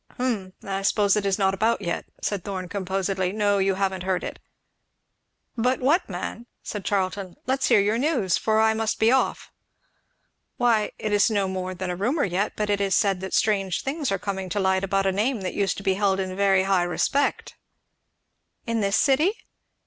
"Hum I suppose it is not about yet," said Thorn composedly. "No you haven't heard it." "But what, man?" said Charlton, "let's hear your news, for I must be off." "Why but it is no more than rumour yet but it is said that strange things are coming to light about a name that used to be held in very high respect." "In this city?"